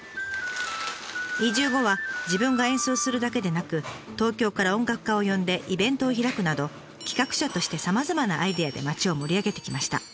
移住後は自分が演奏するだけでなく東京から音楽家を呼んでイベントを開くなど企画者としてさまざまなアイデアで町を盛り上げてきました。